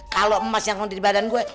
kalo emas yang ada di badan gua